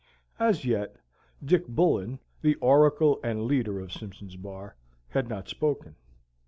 As yet, Dick Bullen, the oracle and leader of Simpson's Bar, had not spoken.